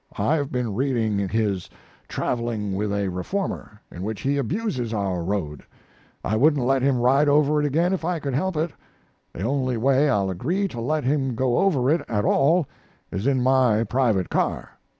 I've been reading his 'Traveling with a Reformer,' in which he abuses our road. I wouldn't let him ride over it again if I could help it. The only way I'll agree to let him go over it at all is in my private car.